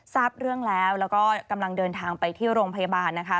ทราบเรื่องแล้วแล้วก็กำลังเดินทางไปที่โรงพยาบาลนะคะ